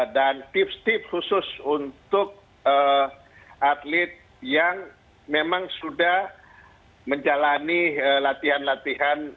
dan tips tips khusus untuk atlet yang memang sudah menjalani latihan latihan